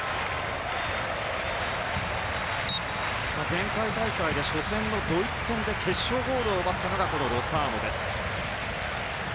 前回大会、初戦のドイツ戦で決勝ゴールを奪ったのがこのロサーノです。